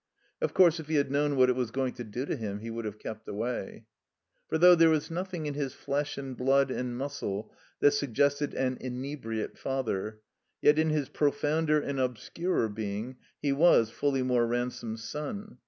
Of course, if he had known what it was going to do to him, he would have kept away. For though there was nothing in his flesh and blood and muscle that suggested an inebriate father, yet in his profounder and obscurer being he was Fulleymore Ransome's son.